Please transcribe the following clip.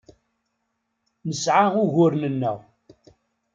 Nesɛa uguren-nneɣ.